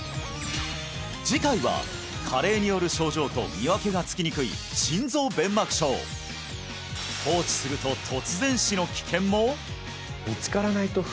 次回は加齢による症状と見分けがつきにくい心臓弁膜症放置すると突然死の危険も！？